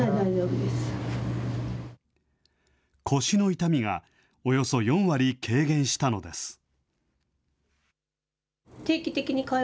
腰の痛みがおよそ４割軽減したのです。